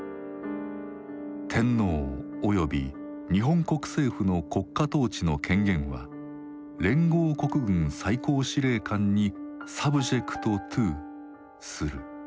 天皇および日本国政府の国家統治の権限は連合国軍最高司令官に「ｓｕｂｊｅｃｔｔｏ」する。